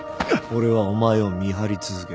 俺はお前を見張り続ける。